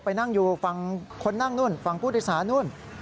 ไปนั่งอยู่ฝั่งคนนั่งนู่นฝั่งผู้โดยสารนู่น